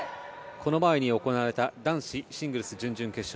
この前に行われた男子シングルス準々決勝